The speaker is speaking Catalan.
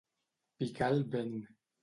Picar el vent.